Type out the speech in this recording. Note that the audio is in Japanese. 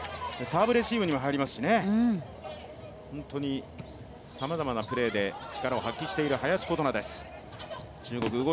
サーブレシーブにも入りますしね、本当にさまざまなプレーで力を発揮している林琴奈です。